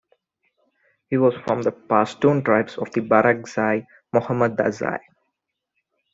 He was from the Pashtun tribe of Barakzai Mohammedzai.